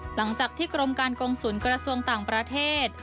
หลังจากที่กรมการกงศูนย์กระทรวงต่างประเทศ